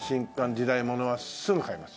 時代ものはすぐ買います。